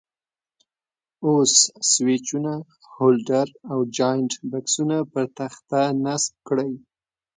اوس سویچونه، هولډر او جاینټ بکسونه پر تخته نصب کړئ.